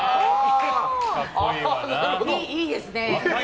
いいですね。